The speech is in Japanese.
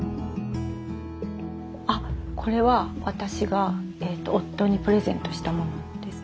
あっこれは私が夫にプレゼントしたものです。